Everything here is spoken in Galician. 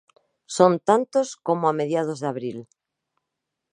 Son tantos como a mediados de abril.